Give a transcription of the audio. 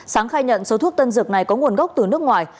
sáng khai nhận số thuốc tân dược này có nguồn gốc từ nước ngoài